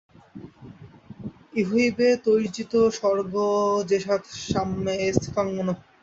ইহৈব তৈর্জিত সর্গো যেষাং সাম্যে স্থিতং মনঃ।